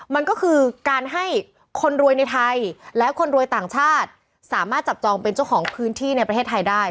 มันก็คือการให้คนรวยในไทยและคนรวยต่างชาติสามารถจับจองเป็นเจ้าของพื้นที่ในประเทศไทยได้